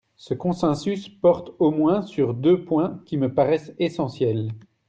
Ce consensus porte au moins sur deux points qui me paraissent essentiels.